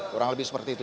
kurang lebih seperti itu